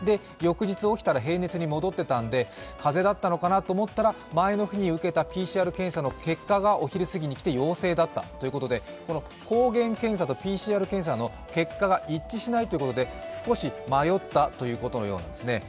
翌日、起きたら平熱に戻ってたんで風邪だったのかなと思ったら、前の日に受けたＰＣＲ検査の結果がお昼すぎに来て、陽性だったということで、抗原検査とＰＣＲ検査の結果が一致しないということで少し迷ったということのようです。